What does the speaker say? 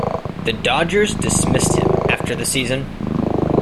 The Dodgers dismissed him after the season.